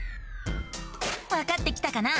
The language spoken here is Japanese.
わかってきたかな？